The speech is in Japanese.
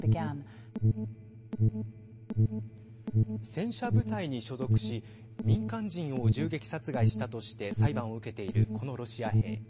戦車部隊に所属し民間人を銃撃、殺害したとして裁判を受けているこのロシア兵。